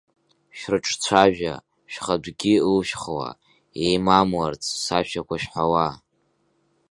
Шәрыҿцәажәа, шәхатәгьы ылшәхла, еимамларц, сашәақәа шәҳәала!